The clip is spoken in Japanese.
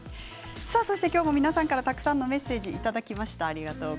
皆さんからたくさんのメッセージをいただきました。